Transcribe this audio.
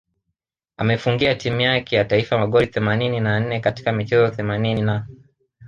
Ameifungia timu yake ya taifa magoli themanini na nne katika michezo themanini na